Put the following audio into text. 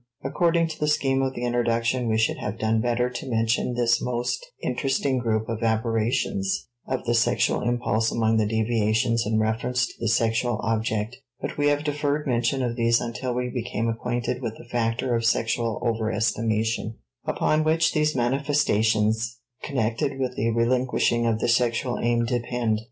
According to the scheme of the introduction we should have done better to mention this most interesting group of aberrations of the sexual impulse among the deviations in reference to the sexual object, but we have deferred mention of these until we became acquainted with the factor of sexual overestimation, upon which these manifestations, connected with the relinquishing of the sexual aim, depend.